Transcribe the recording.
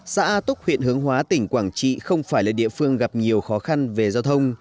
xã túc huyện hướng hóa tỉnh quảng trị không phải là địa phương gặp nhiều khó khăn về giao thông